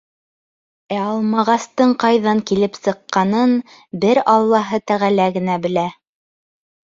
Ә алмағастың ҡайҙан килеп сыҡҡанын бер Аллаһы Тәғәлә генә белә.